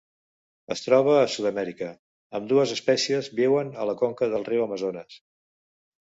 Es troba a Sud-amèrica: ambdues espècies viuen a la conca del riu Amazones.